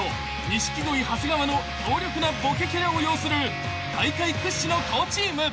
錦鯉長谷川の強力なボケキャラを擁する大会屈指の好チーム］